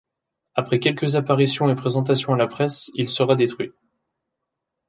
Après quelques apparitions et présentation à la presse, il sera détruit.